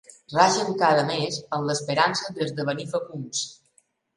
Ragen cada mes amb l'esperança d'esdevenir fecunds.